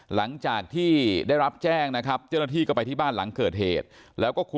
หลังจากที่ได้รับแจ้งเจ้าหน้าที่ก็ไปที่บ้านหลังเกิดเหตุ